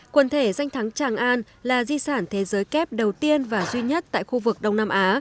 quần thể danh thắng tràng an là di sản thế giới kép đầu tiên và duy nhất tại khu vực đông nam á